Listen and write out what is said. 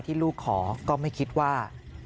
ลูกขอก็ไม่คิดว่า